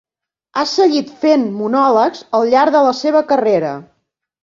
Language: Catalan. Ha seguit fent monòlegs al llarg de la seva carrera.